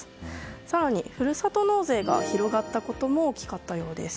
更に、ふるさと納税が広がったことも大きかったようです。